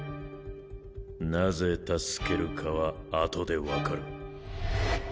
なぜ助けるかは後で分かる